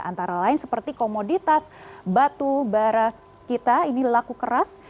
antara lain seperti komoditas batu bara kita ini laku keras